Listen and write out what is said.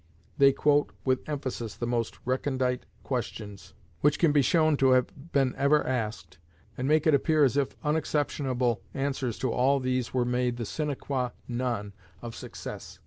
They quote with emphasis the most recondite questions which can be shown to have been ever asked, and make it appear as if unexceptionable answers to all these were made the sine quâ non of success.